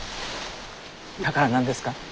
だから何ですか？